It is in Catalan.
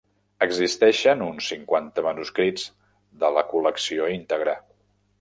Existeixen uns cinquanta manuscrits de la col·lecció íntegra.